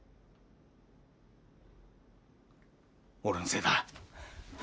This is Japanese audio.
俺のせいだ。